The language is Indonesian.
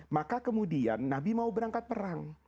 maka kemudian nabi mau berangkat perang